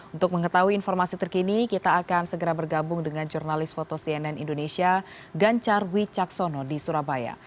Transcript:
untuk mengetahui informasi terkini kita akan segera bergabung dengan jurnalis foto cnn indonesia ganjar wicaksono di surabaya